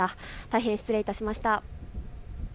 大変失礼いたしました。